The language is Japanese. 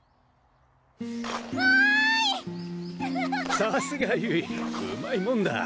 さすがゆいうまいもんだ